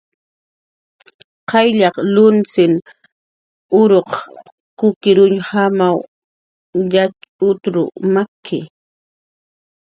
Qayllaq lunis uruq kukirñujamaw yatxutar maki